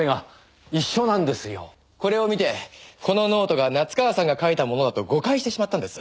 これを見てこのノートが夏河さんが書いたものだと誤解してしまったんです。